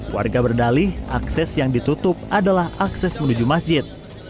warga berdalih akses yang ditutup adalah akses menuju masjid